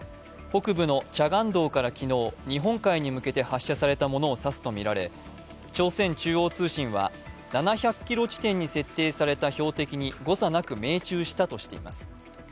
北部のチャガンドウから昨日、日本海に向けて発射されたものを指すとみられ、朝鮮中央通信は７００ｋｍ地点に設定された標的に誤差なく命中したとしています。